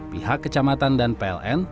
pihak kecamatan dan pln